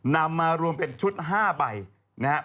นำมารวมเป็นชุด๕ใบนะครับ